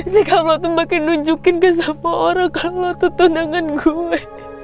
si kamlo tuh makin nunjukin ke siapa orang kamlo tuh tendangan gue